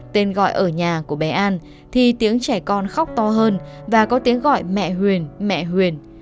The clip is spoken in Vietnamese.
tên gọi ở nhà của bé an thì tiếng trẻ con khóc to hơn và có tiếng gọi mẹ huyền mẹ huyền